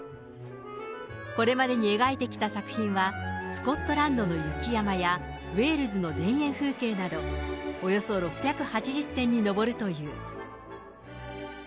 これまでに描いてきた作品は、スコットランドの雪山や、ウェールズの田園風景など、およそ６８０点に上るという。